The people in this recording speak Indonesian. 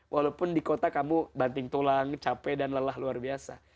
walaupun di kota kamu banting tulang capek dan lelah luar biasa